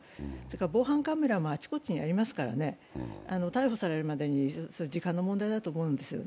防犯カメラもあちこちにありますから、逮捕されるまでに時間の問題だと思うんですよね。